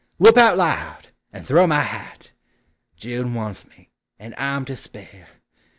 Whoop out loud ! and throw my hat !— June wants me, and I 'in to spare